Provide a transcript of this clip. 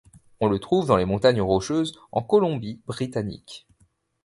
On le trouve dans les Montagnes Rocheuses en Colombie-Britannique.